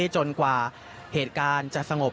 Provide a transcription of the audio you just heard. จนกว่าเหตุการณ์จะสงบ